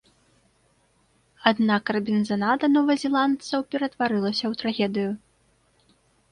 Аднак рабінзанада новазеландцаў ператварылася ў трагедыю.